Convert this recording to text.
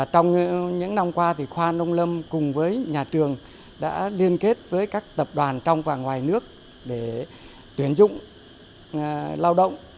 trong những năm qua khoa nông lâm cùng với nhà trường đã liên kết với các tập đoàn trong và ngoài nước để tuyển dụng lao động